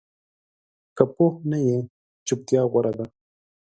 که پوه نه یې، چُپتیا غوره ده